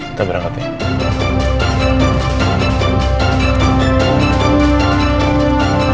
kita berangkat ya